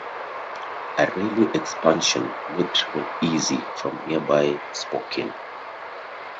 A railway expansion made travel easy from nearby Spokane.